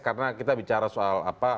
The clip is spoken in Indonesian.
karena kita bicara soal